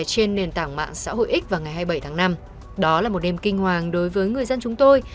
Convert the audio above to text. trên nền tảng mạng xã hội x vào ngày hai mươi bảy tháng năm đó là một đêm kinh hoàng đối với người dân chúng tôi